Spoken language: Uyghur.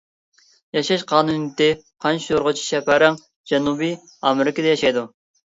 ياشاش قانۇنىيىتى قان شورىغۇچى شەپەرەڭ جەنۇبىي ئامېرىكىدا ياشايدۇ.